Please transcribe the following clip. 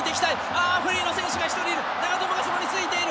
あフリーの選手が１人いる！